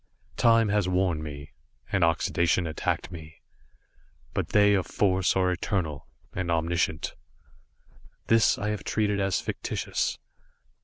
Time has worn me, and oxidation attacked me, but they of Force are eternal, and omniscient. This I have treated as fictitious.